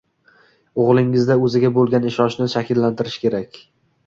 O‘g‘lingizda o‘ziga bo‘lgan ishonchni shakllantirish kerak.